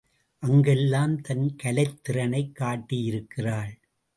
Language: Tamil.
அங்கெல்லாம் தன் கலைத் திறனைக் காட்டியிருக்கிறாள்.